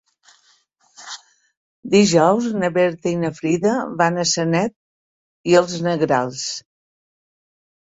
Dijous na Berta i na Frida van a Sanet i els Negrals.